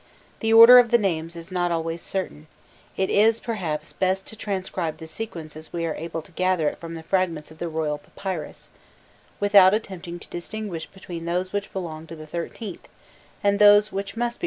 The order of the names is not always certain: it is, perhaps, best to transcribe the sequence as we are able to gather it from the fragments of the Royal Papyrus, without attempting to distinguish between those which belong to the XIIIth and those which must be.